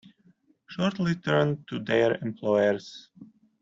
Shorty turned to their employers.